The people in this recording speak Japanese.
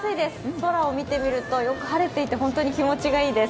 空を見てみるとよく晴れていて本当に気持ちがいいです。